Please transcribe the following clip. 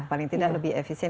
paling tidak lebih efisien